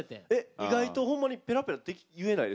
意外とほんまにペラペラ言えないですよ。